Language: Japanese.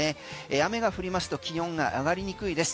雨が降りますと気温が上がりにくいです。